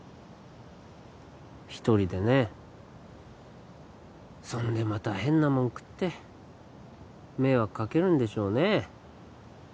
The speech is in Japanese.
一人でねそんでまた変なもん食って迷惑かけるんでしょうねえ